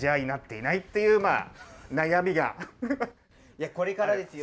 いやこれからですよ。